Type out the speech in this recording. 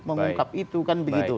mengungkap itu kan begitu